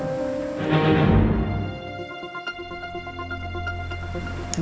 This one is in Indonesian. dan juga gini